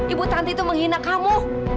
ibu tanti itu menghina kamu